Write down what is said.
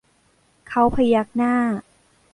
เขาพยักหน้า